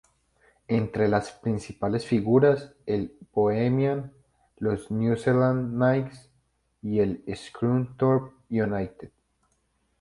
Entre los principales figuran el Bohemian, los New Zealand Knights y el Scunthorpe United.